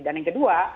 dan yang kedua